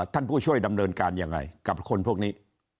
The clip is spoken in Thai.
ผู้ช่วยดำเนินการยังไงกับคนพวกนี้